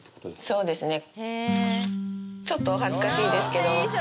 そうですね